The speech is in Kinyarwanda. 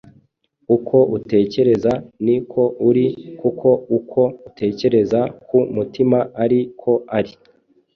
Uko utekereza ni ko uri "Kuko uko atekereza ku mutima ari ko ari.